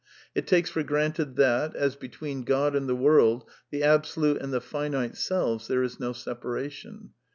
It takes for granted that, as between God and the world, the Absolute and the finite selves, there is no separation.